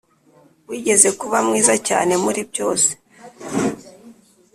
wigeze kuba mwiza cyane muri byose.